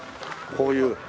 こういう。